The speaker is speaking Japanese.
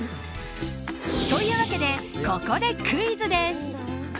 というわけで、ここでクイズです。